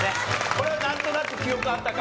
これはなんとなく記憶あったか？